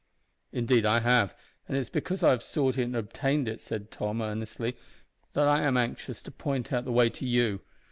"Indeed I have, and it is because I have sought it and obtained it," said Tom, earnestly, "that I am anxious to point out the way to you.